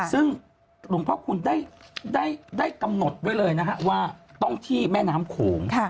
ซึ่งหลวงพ่อคุณได้กำหนดไว้เลยนะฮะว่าต้องที่แม่น้ำโขง